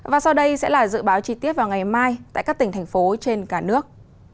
và sau đây sẽ là dự báo chi tiết vào ngày mai tại các tỉnh thành phố trên cả nước